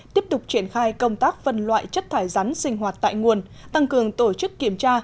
tiếp tục triển khai công tác phân loại chất thải rắn sinh hoạt tại nguồn tăng cường tổ chức kiểm tra